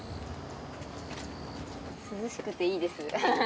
涼しくていいです。